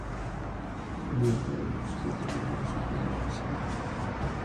Debajo se proporciona su color específico.